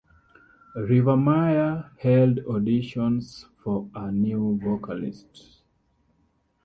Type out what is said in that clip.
Rivermaya held auditions for a new vocalist.